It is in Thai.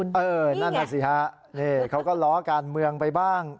นั่นน่ะสิฮะนี่เขาก็ล้อการเมืองไปบ้าง